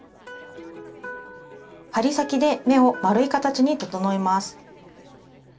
針先で目を丸い形に整えます。